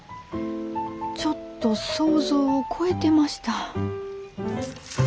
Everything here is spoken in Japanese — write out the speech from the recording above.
ちょっと想像を超えてました。